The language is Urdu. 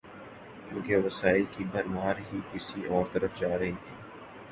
کیونکہ وسائل کی بھرمار ہی کسی اور طرف جا رہی تھی۔